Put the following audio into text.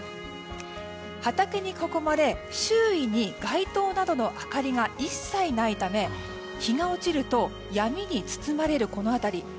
畑に囲まれ周囲に街灯などの明かりが一切ないため日が落ちると闇に包まれるこの辺り。